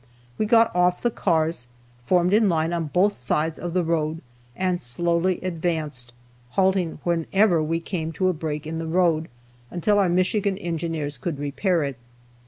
We got off the cars, formed in line on both sides of the road and slowly advanced, halting whenever we came to a break in the road, until our Michigan Engineers could repair it.